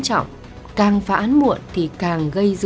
sì là phạm thị tâm